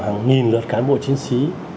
hàng nghìn lượt cán bộ chiến sĩ